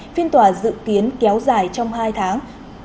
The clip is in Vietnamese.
phiên tòa dự kiến kéo dài trong hai tháng